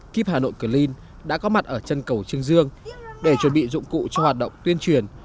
kep hà nội clean đã có mặt ở chân cầu trương dương để chuẩn bị dụng cụ cho hoạt động tuyên truyền